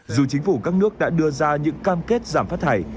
dù chính phủ các nước đã đưa ra những cam kết giảm phát thải